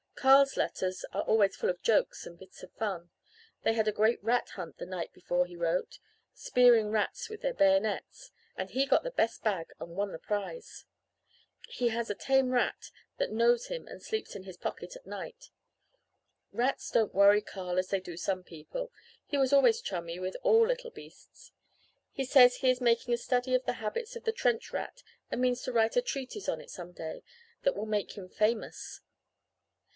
Carl's letters are always full of jokes and bits of fun. They had a great rat hunt the night before he wrote spearing rats with their bayonets and he got the best bag and won the prize. He has a tame rat that knows him and sleeps in his pocket at night. Rats don't worry Carl as they do some people he was always chummy with all little beasts. He says he is making a study of the habits of the trench rat and means to write a treatise on it some day that will make him famous.